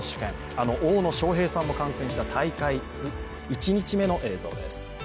あの大野将平さんも観戦した大会１日目の映像です。